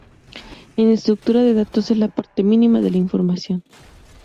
En estructura de datos, es la parte mínima de la información.